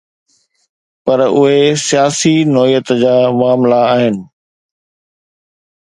پر اهي سياسي نوعيت جا معاملا آهن.